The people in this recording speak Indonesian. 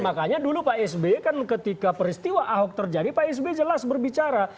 makanya dulu pak s b kan ketika peristiwa ahok terjadi pak s b jelas berbicara